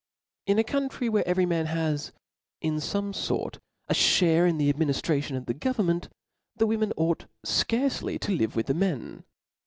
In a country where every man. ha.«, in fomc fort, a ftiarc in the adminiftration of the government, the women ought fcarcely to live with the men.